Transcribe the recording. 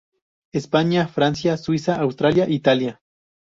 España, Francia, Suiza, Austria, Italia.